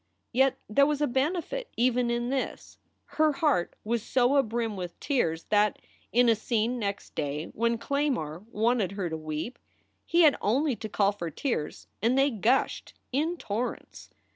Yet there was a benefit even in this. Her heart was so abrim with tears that, in a scene next day when Claymore wanted her to weep, he had only to call for tears and they gushed in torrents.